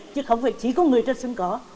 chứ không phải chỉ có người trên sân cỏ